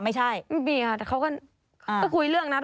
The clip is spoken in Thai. ไม่มีค่ะแต่เขาก็คุยเรื่องนั้น